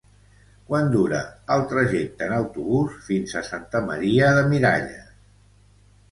Quant dura el trajecte en autobús fins a Santa Maria de Miralles?